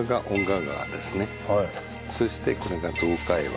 そしてこれが洞海湾。